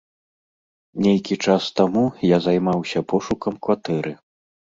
Нейкі час таму я займаўся пошукам кватэры.